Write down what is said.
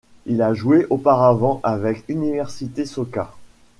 Il a joué auparavant avec Université Soka.